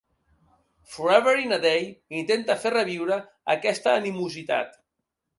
"Forever in a Day" intenta fer reviure a aquesta animositat.